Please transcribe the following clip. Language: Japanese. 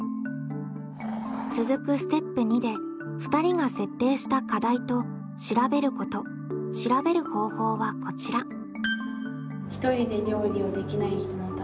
続くステップ２で２人が設定した課題と「調べること」「調べる方法」はこちら。